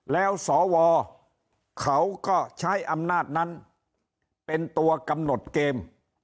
แล้วสวเขาก็ใช้อำนาจนั้นเป็นตัวกำหนดเกม